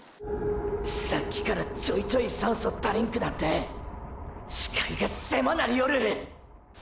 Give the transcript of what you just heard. さっきからちょいちょい酸素足りんくなって視界が狭なりよる